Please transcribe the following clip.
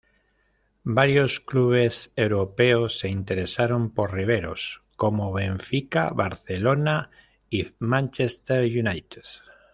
Varios clubes europeos se interesaron por Riveros, como Benfica, Barcelona y Manchester United.